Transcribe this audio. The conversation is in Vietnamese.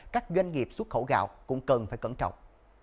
các doanh nghiệp xuất khẩu gạo cũng cần phải cẩn trọng